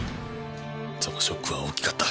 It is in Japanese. そのショックは大きかった。